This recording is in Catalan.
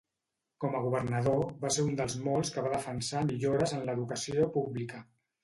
Com a governador va ser un dels molts que van defensar millores de l'educació pública.